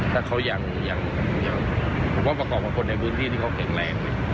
ถ้าเขายังผมว่าประกอบกับคนในพื้นที่ที่เขาแข็งแรง